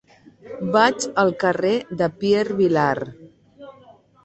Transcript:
Vaig al carrer de Pierre Vilar.